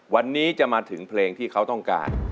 วันนี้จะมาถึงเพลงที่เขาต้องการ